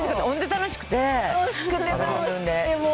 楽しくて楽しくて、もう。